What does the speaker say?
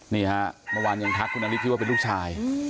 นี่ฮะเมื่อวานยังทักคุณนฤทธิว่าเป็นลูกชาย